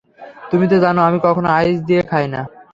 তুমিতো জানো আমি কখনো আইস দিয়ে খাইনা।